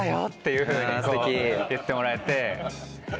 いうふうに言ってもらえて。